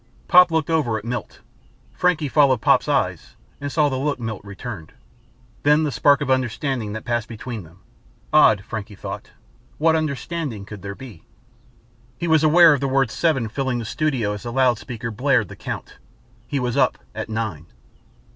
Pop looked over at Milt. Frankie followed Pop's eyes and saw the look Milt returned. Then the spark of understanding that passed between them. Odd, Frankie thought. What understanding could there be? He was aware of the word seven filling the studio as the loud speaker blared the count. He was up at nine.